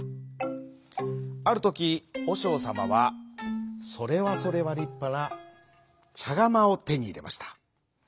あるときおしょうさまはそれはそれはりっぱなちゃがまをてにいれました。